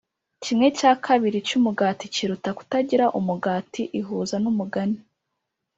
kimwe cya kabiri cyumugati kiruta kutagira umugati ihuza numugani